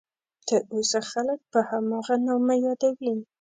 تر اوسه خلک په هماغه نامه یادوي.